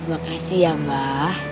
terima kasih ya bah